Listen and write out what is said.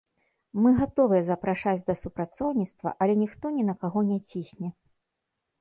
Мы гатовыя запрашаць да супрацоўніцтва, але ніхто ні на каго не цісне.